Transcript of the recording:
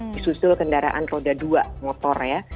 disusul kendaraan roda dua motor ya